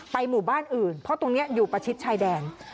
หมู่บ้านอื่นเพราะตรงนี้อยู่ประชิดชายแดน